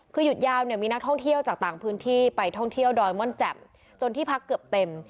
คือหยุดยาวเนี่ยมีนักท่องเที่ยวจากต่างพื้นที่ไปท่องเที่ยวดอยม่อนแจ่มจนที่พักเกือบเต็ม